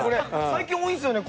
最近多いんですよね